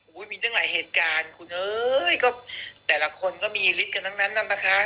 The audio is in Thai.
โอ๊ยมีจึงหลายเหตุการณ์คุณเอ้ยก็แต่ละคนก็มีฤทธิ์ต่างนั่นนะคะ